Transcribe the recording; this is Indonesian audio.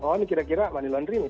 oh ini kira kira money laundry nih